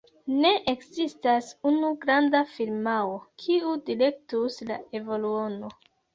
Ne ekzistas unu granda firmao, kiu direktus la evoluon.